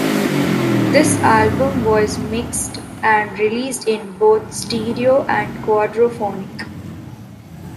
This album was mixed and released in both stereo and quadraphonic.